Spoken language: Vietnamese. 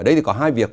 ở đây thì có hai việc